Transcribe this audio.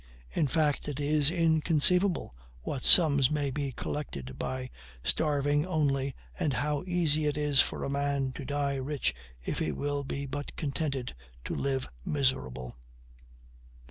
In fact, it is inconceivable what sums may be collected by starving only, and how easy it is for a man to die rich if he will but be contented to live miserable.